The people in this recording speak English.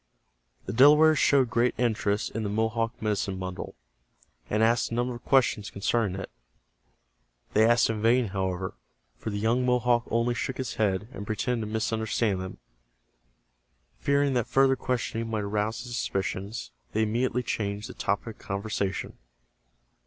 The Delawares showed great interest in the Mohawk medicine bundle, and asked a number of questions concerning it. They asked in vain, however, for the young Mohawk only shook his head, and pretended to misunderstand them. Fearing that further questioning might arouse his suspicions, they immediately changed the topic of conversation.